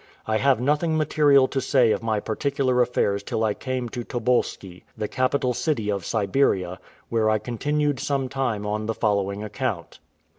I have nothing material to say of my particular affairs till I came to Tobolski, the capital city of Siberia, where I continued some time on the following account.